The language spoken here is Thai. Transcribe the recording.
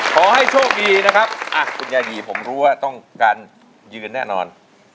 ขอให้โชคดีนะครับคุณยายีผมรู้ว่าต้องการยืนแน่นอน